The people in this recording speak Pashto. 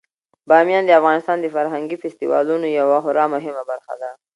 بامیان د افغانستان د فرهنګي فستیوالونو یوه خورا مهمه برخه ده.